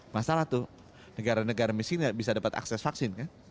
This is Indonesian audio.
masalah tuh negara negara miskin bisa dapat akses vaksin kan